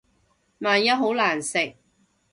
萬一好難食